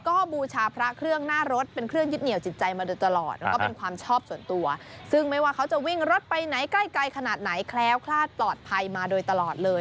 ก็บูชาพระเครื่องหน้ารถเป็นเครื่องยึดเหนียวจิตใจมาโดยตลอดแล้วก็เป็นความชอบส่วนตัวซึ่งไม่ว่าเขาจะวิ่งรถไปไหนใกล้ไกลขนาดไหนแคล้วคลาดปลอดภัยมาโดยตลอดเลย